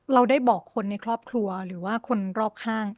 เราได้บอกคนในครอบครัวหรือว่าคนรอบข้าง